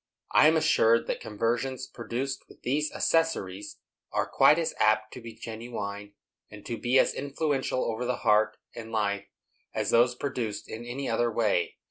I am assured that conversions produced with these accessories are quite as apt to be genuine, and to be as influential over the heart and life, as those produced in any other way."